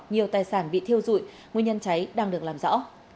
nhiều tài sản bị thiêu dụi nguyên nhân cháy đang được làm rõ